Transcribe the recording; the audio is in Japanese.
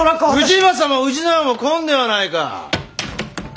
氏政も氏直も来んではないか！